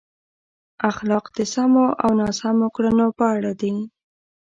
اخلاق د سمو او ناسم کړنو په اړه دي.